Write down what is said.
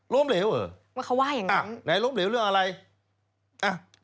ล้มเหลวเหรอไหนล้มเหลวเรื่องอะไรว่าเขาว่าอย่างนั้น